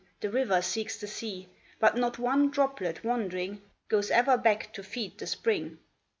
The river seeks the sea ; But not one droplet wandering Goes ever back to feed the spring.